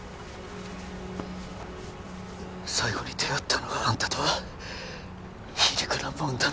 最後に出会ったのがあんたとは皮肉なもんだな